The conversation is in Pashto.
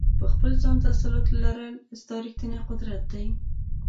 په خپل ځان تسلط لرل، ستا ریښتنی قدرت دی.